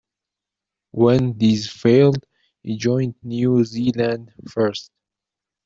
When these failed, he joined New Zealand First.